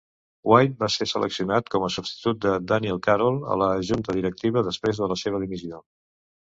White va ser seleccionat com a substitut de Daniel Carroll a la junta directiva després de la seva dimissió.